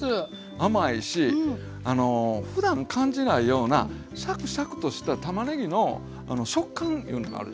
甘いしふだん感じないようなシャクシャクとしたたまねぎの食感いうのがあるでしょ。